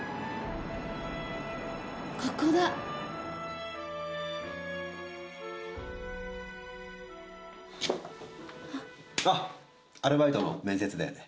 ここだあっアルバイトの面接だよね